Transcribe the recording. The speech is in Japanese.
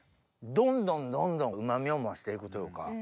どんどんどんどんうま味を増して行くというか。